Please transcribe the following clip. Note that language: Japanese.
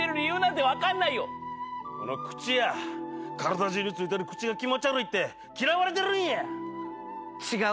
体中についてる口が気持ち悪いって嫌われてるんや。